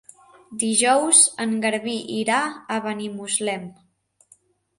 Dijous en Garbí irà a Benimuslem.